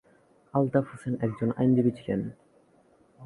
আলতাফ হোসেন একজন আইনজীবী ছিলেন।